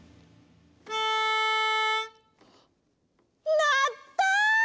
なった！